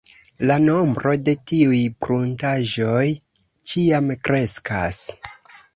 La nombro de tiuj pruntaĵoj ĉiam kreskas.